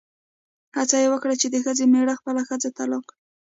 هڅه یې وکړه چې د ښځې مېړه خپله ښځه طلاقه کړي.